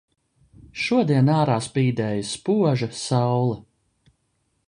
Šodien ārā spīdēja spoža saule.